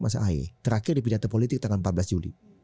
masa ae terakhir dipindah ke politik tanggal empat belas juli